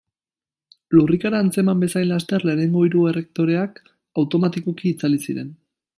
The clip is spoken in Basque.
Lurrikara atzeman bezain laster lehenengo hiru erreaktoreak automatikoki itzali ziren.